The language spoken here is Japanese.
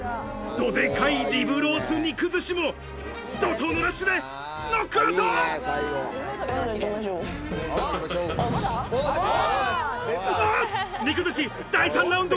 どでかいリブロース肉寿司も怒涛のラッシュでノックアウト！